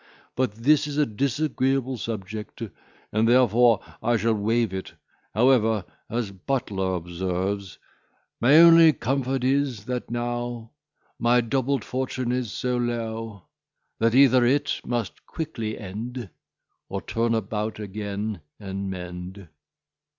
But this is a disagreeable subject, and therefore I shall waive it; however, as Butler observes: My only comfort is, that now My dubbolt fortune is so low, That either it must quickly end, Or turn about again and mend.